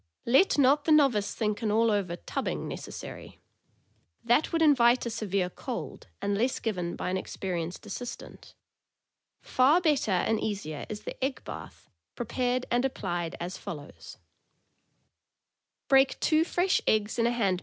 Let not the novice think an all over " tubbing " necessary. That would invite a severe cold, unless given by an experi enced assistant. Far better and easier is the egg bath, pre pared and applied as follows: Break two fresh eggs in a 502 THE AMERICAN BOOK OF THE DOG.